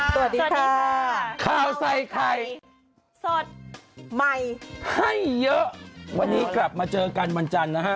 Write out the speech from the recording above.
สวัสดีค่ะข้าวใส่ไข่สดใหม่ให้เยอะวันนี้กลับมาเจอกันวันจันทร์นะฮะ